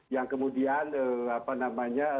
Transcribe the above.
yang kemudian apa namanya